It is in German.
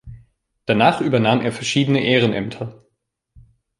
Danach übernahm er verschiedene Ehrenämter.